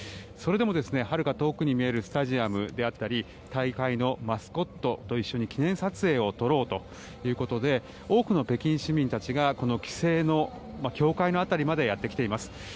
それでも、はるか遠くに見えるスタジアムであったり大会のマスコットと一緒に記念撮影を撮ろうということで多くの北京市民たちがこの規制の境界の辺りまでやってきています。